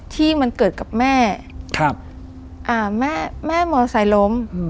ที่มันเกิดกับแม่แม่มอไซค์ล้ม